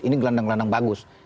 ini gelandang gelandang bagus